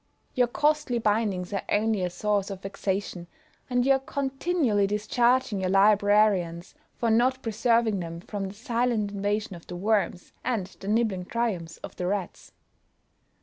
Your costly bindings are only a source of vexation, and you are continually discharging your librarians for not preserving them from the silent invasion of the worms, and the nibbling triumphs of the rats!